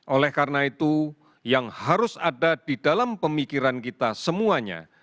oleh karena itu yang harus ada di dalam pemikiran kita semuanya